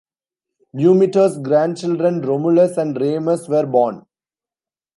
Numitor's grandchildren Romulus and Remus were born.